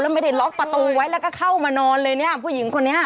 ไม่ได้ล็อกประตูไว้แล้วก็เข้ามานอนเลยเนี่ยผู้หญิงคนนี้